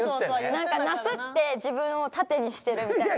何かなすって自分を盾にしてるみたいな。